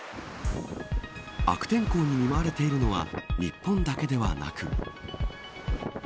悪天候に見舞われているのは日本だけではなく。